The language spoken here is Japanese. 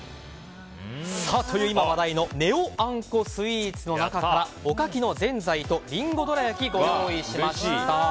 今、話題のネオあんこスイーツの中からおかきのぜんざいとリンゴどら焼きご用意しました。